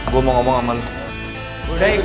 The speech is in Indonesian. hei dewi selamat pagi